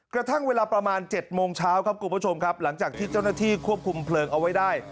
กระทั่งเวลาประมาณ๗โมงเช้าครับคุณผู้ชมครับหลังจากที่เจ้าหน้าที่ควบคุมเพลิงเอาไว้ได้